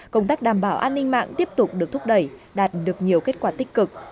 công tác đảm bảo an ninh mạng tiếp tục được thúc đẩy đạt được nhiều kết quả tích cực